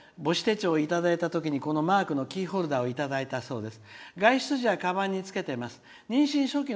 娘は役所で母子手帳をいただいたときにこのマークのキーホルダーをいただいたそうです。